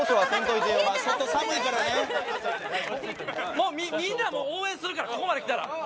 もうみんな応援するからここまで来たら。